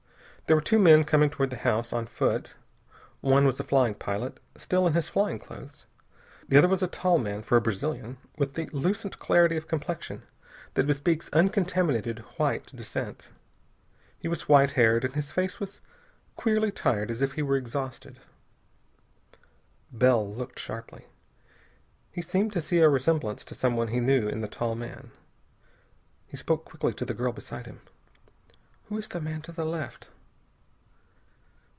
There were two men coming toward the house, on foot. One was a flying pilot, still in his flying clothes. The other was a tall man, for a Brazilian, with the lucent clarity of complexion that bespeaks uncontaminated white descent. He was white haired, and his face was queerly tired, as if he were exhausted. Bell looked sharply. He seemed to see a resemblance to someone he knew in the tall man. He spoke quickly to the girl beside him. "Who is the man to the left?"